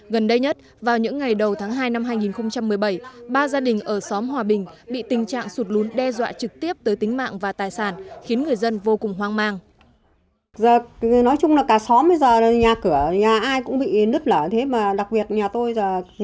gần đây nhất vào những ngày đầu tháng hai năm hai nghìn một mươi bảy ba gia đình ở xóm hòa bình bị tình trạng sụt lún đe dọa trực tiếp tới tính mạng và tài sản khiến người dân vô cùng hoang mang